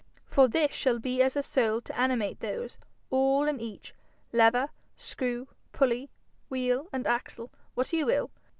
For this shall be as a soul to animate those, all and each lever, screw, pulley, wheel, and axle what you will.